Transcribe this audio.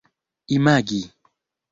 imagi